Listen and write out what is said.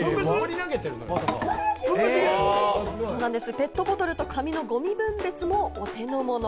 ペットボトルと紙のゴミ分別もお手のもの。